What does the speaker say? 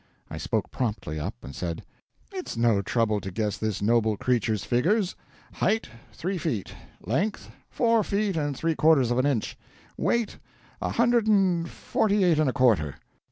I spoke promptly up and said: "It's no trouble to guess this noble creature's figures: height, three feet; length, four feet and three quarters of an inch; weight, a hundred and forty eight and a quarter."